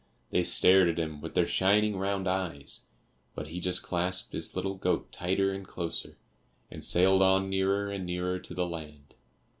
They stared at him with their shining round eyes; but he just clasped his little goat tighter and closer, and sailed on nearer and nearer to the land.